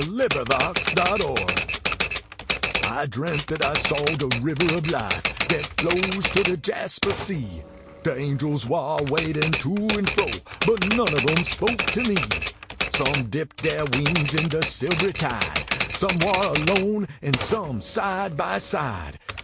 DE RIBBER OB LIFE I dreamt dat I saw de ribber ob life Dat flows to de Jaspah Sea. De angels war wadin to an fro But none ob em spoke to me. Some dipped dere wings in de silb ry tide Some war alone an some side by side.